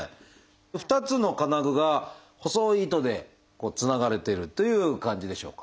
２つの金具が細い糸でつながれてるという感じでしょうか。